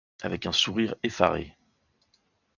Avec un sourire effaré.